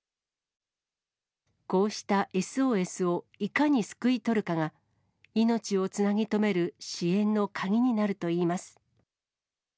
こうしたＳＯＳをいかにすくい取るかが、命をつなぎ止める支援の鍵になるといいます。